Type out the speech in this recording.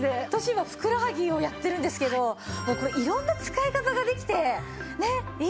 今ふくらはぎをやってるんですけどこれ色んな使い方ができてねいいですね。